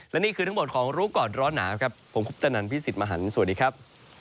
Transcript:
และนี่คือทั้งหมดของรู้ก่อนร้อนหนาวครับผมคุปตนันพี่สิทธิ์มหันฯสวัสดีครับ